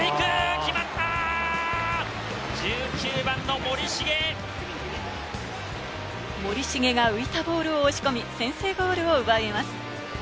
森重が浮いたボールを押し込み、先制ゴールを奪います。